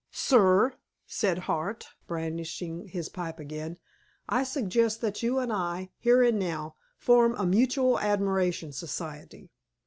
"Sir," said Hart, brandishing his pipe again, "I suggest that you and I, here and now, form a mutual admiration society."